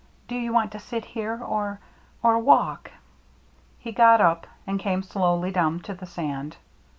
Do you want to sit here or — or walk ?" He got up, and came slowly down to the sand.